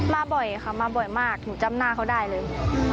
มาบ่อยค่ะมาบ่อยมากหนูจำหน้าเขาได้เลย